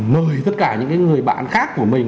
mời tất cả những người bạn khác của mình